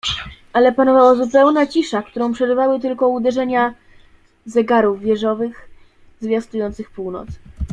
"Ale panowała zupełna cisza, którą przerywały tylko uderzenia zegarów wieżowych, zwiastujących północ."